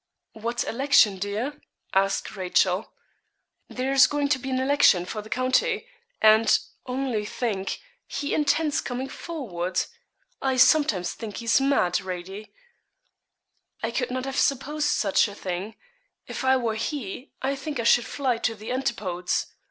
'What election, dear?' asked Rachel. 'There is going to be an election for the county, and only think he intends coming forward. I sometimes think he is mad, Radie.' 'I could not have supposed such a thing. If I were he, I think I should fly to the antipodes.